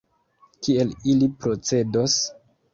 Kiel ili procedos?